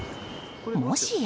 もしや。